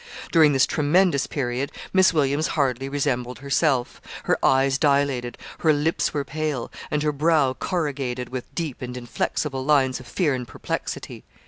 During this tremendous period Miss Williams hardly resembled herself her eyes dilated, her lips were pale, and her brow corrugated with deep and inflexible lines of fear and perplexity.